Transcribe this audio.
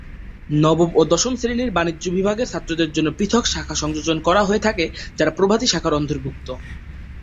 নবম ও দশম শ্রেনীতে বাণিজ্য বিভাগের ছাত্রদের জন্য পৃথক শাখা সংযোজন করা হয়ে থাকে যারা প্রভাতী শাখার অন্তর্ভুক্ত।